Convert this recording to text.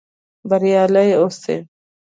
بریالي اوسئ؟